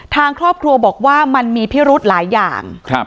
ทางครอบครัวบอกว่ามันมีพิรุธหลายอย่าง